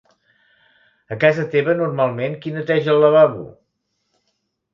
A casa teva normalment qui neteja el lavabo?